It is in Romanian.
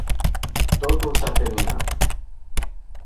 Totul s-a terminat.